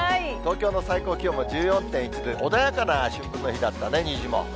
東京の最高気温も１４．１度で、穏やかな春分の日だったね、にじモ。